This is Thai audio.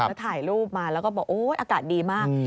แล้วถ่ายรูปมาแล้วก็บอกโอ๊ยอากาศดีมาก